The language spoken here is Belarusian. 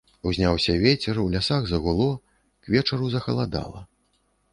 Узняўся вецер, у лясах загуло, к вечару захаладала.